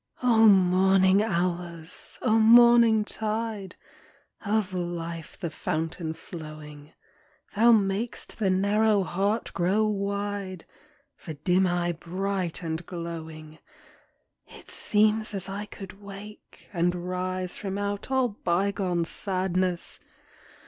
r\ MORNING hours ! O morning tide ! Of life the fountain flowing : Thou mak'st the narrow heart grow wide. The dim eye bright and glowing. It seems as I could wake, and rise From out all bygone sadness.